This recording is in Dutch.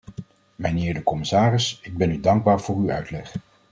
Mijnheer de commissaris, ik ben u dankbaar voor uw uitleg.